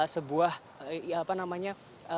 sebuah apa namanya